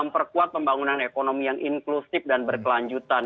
yang membuat pembangunan ekonomi yang inklusif dan berkelanjutan